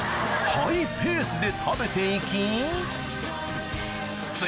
ハイペースで食べていき